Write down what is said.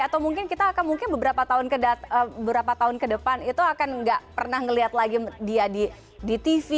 atau mungkin kita akan mungkin beberapa tahun ke depan itu akan nggak pernah melihat lagi dia di tv